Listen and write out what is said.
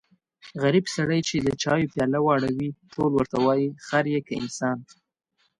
غریب سړی چې د چایو پیاله واړوي ټول ورته وایي خر يې که انسان.